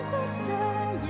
walau hilang pertanyaan